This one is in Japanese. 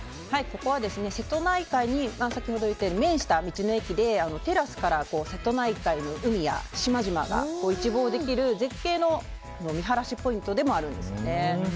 ここは瀬戸内海に面した道の駅でテラスから瀬戸内海の海や島々が一望できる、絶景の見晴しポイントでもあるんです。